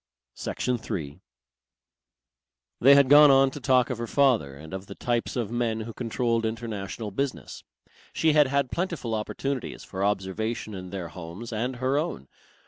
Section 3 They had gone on to talk of her father and of the types of men who controlled international business. She had had plentiful opportunities for observation in their homes and her own.